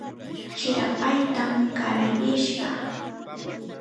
Chirapaytam qallarishqa.